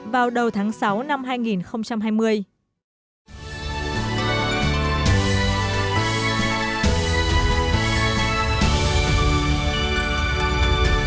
vào đầu tháng sáu năm hai nghìn hai mươi